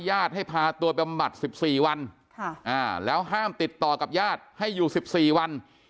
ญาติให้พาตัวบำบัด๑๔วันแล้วห้ามติดต่อกับญาติให้อยู่๑๔วัน